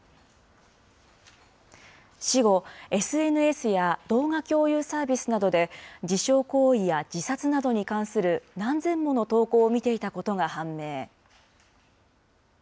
死後、ＳＮＳや動画共有サービスなどで自傷行為や自殺などに関する何千もの投稿を見ていたことが判明。